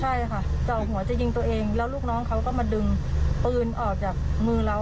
ใช่ค่ะเจาะหัวจะยิงตัวเองแล้วลูกน้องเขาก็มาดึงปืนออกจากมือเรา